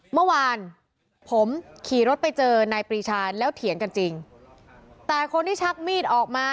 เมื่อวานผมขี่รถไปเจอนายปรีชาแล้วเถียงกันจริงแต่คนที่ชักมีดออกมา